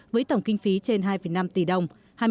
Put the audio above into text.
với tổng kinh phí trên hai năm tỷ đồng